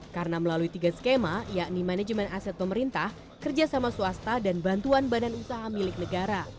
karena melalui tiga skema yakni manajemen aset pemerintah kerjasama swasta dan bantuan badan usaha milik negara